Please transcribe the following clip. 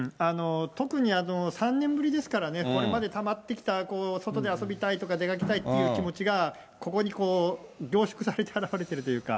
特に３年ぶりですからね、これまでたまってきた、外で遊びたいとか、出かけたいっていう気持ちが、ここに凝縮されて表れているというか。